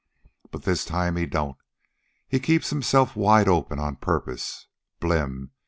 But this time he don't. He keeps himself wide open on purpose. Blim!